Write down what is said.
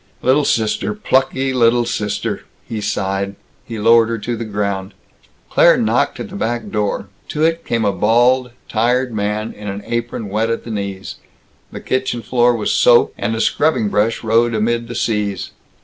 "Little sister plucky little sister!" he sighed. He lowered her to the ground. Claire knocked at the back door. To it came a bald, tired man, in an apron wet at the knees. The kitchen floor was soaped, and a scrubbing brush rode amid the seas.